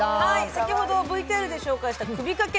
先ほどＶＴＲで紹介した首掛け